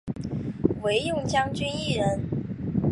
惟用将军一人。